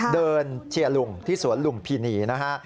เชียร์ลุงที่สวนลุมพินีนะฮะ